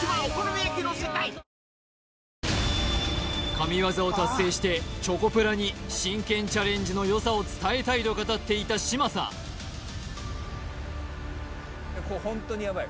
神業を達成してチョコプラに真剣チャレンジのよさを伝えたいと語っていた嶋佐これホントにヤバい